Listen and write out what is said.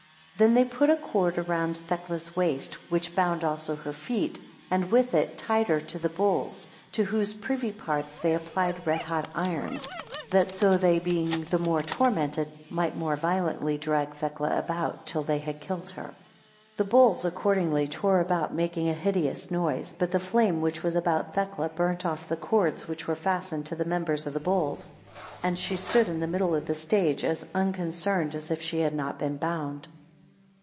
12 Then they put a cord round Thecla's waist, which bound also her feet, and with it tied her to the bulls, to whose privy parts they applied red hot irons, that so they being the more tormented, might more violently drag Thecla about, till they had killed her. 13 The bulls accordingly tore about, making a most hideous noise; but the flame which was about Thecla, burnt off the cords which were fastened to the members of the bulls, and she stood in the middle of the stage, as unconcerned as if she had not been bound.